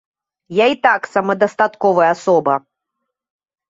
Я і так самадастатковая асоба.